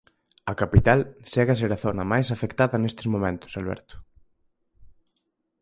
A capital segue a ser a zona máis afectada neste momentos, Alberto.